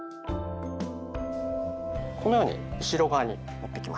このように後ろ側に持ってきます。